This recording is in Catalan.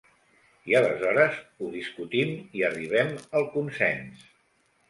I aleshores ho discutim i arribem al consens.